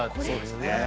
そうですね